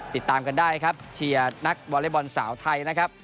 ติดตามกันได้ครับเชียร์นักวอเล็กบอลสาวไทยนะครับ